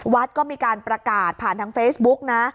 วัดก็มีการประกาศผ่านทางเฟซบุ๊กนะ